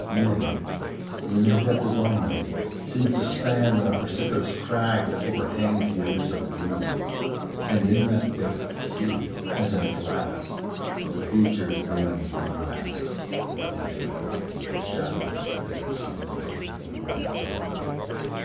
Men, when their death is on them, seem to stand On a precipitous crag that overhangs The abyss of doom, and in that depth to see, As in a glass, the features dim and vast Of things to come, the shadows, as it seems, Of what have been.